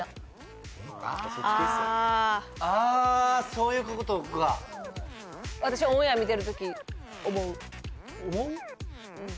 そういうことか私オンエア見てる時思う・思う？